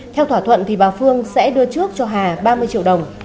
theo thỏa thuận bà phương sẽ đưa trước cho hà ba mươi triệu đồng